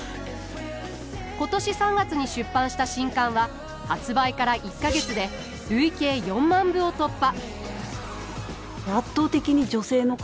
今年３月に出版した新刊は発売から１か月で累計４万部を突破。